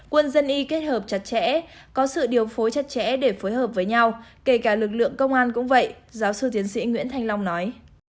quân dân y kết hợp chặt chẽ có sự điều phối chặt chẽ để phối hợp với nhau kể cả lực lượng công an cũng vậy giáo sư tiến sĩ nguyễn thanh long nói